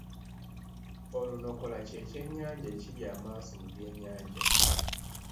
Olunokola kye kyennyanja ekirya amaaso mu by’ennyanja.